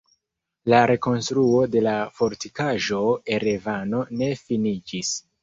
La rekonstruo de la Fortikaĵo Erevano ne finiĝis.